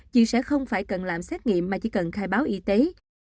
chị sẽ không phải cần làm xét nghiệm mà chỉ cần khai báo y tế